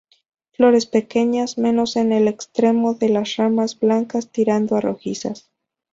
Flores pequeñas, menos en el extremo de las ramas, blancas tirando a rojizas.